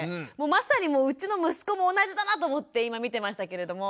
まさにうちの息子も同じだなと思って今見てましたけれども。